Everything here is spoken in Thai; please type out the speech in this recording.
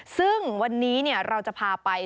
ซึ่งวันนี้เราจะพาไป